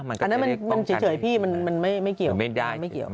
อันนั้นมันเจ๋ยพี่มันไม่เกี่ยว